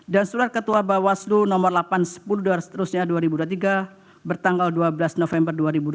dan surat ketua bawaslu no delapan ratus sepuluh dan seterusnya bertanggal dua belas november dua ribu dua puluh tiga